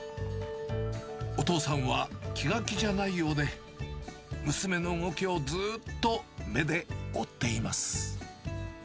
お父さんは気が気じゃないようで、娘の動きをずっと目で追っています。